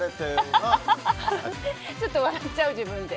ちょっと笑っちゃう、自分で。